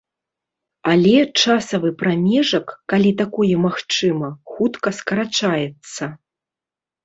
Але часавы прамежак, калі такое магчыма, хутка скарачаецца.